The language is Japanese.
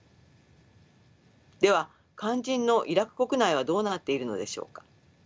では肝心のイラク国内はどうなっているのでしょうか。